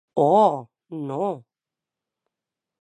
Ò!, non.